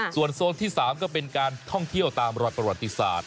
ส่วนโซนที่๓ก็เป็นการท่องเที่ยวตามรอยประวัติศาสตร์